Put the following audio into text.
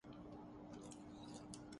فلمی صنعت ملک کی معیشت میں حصہ ڈالتی ہے۔